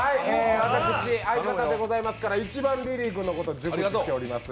私、相方でございますから一番、リリー君のことを熟知しております。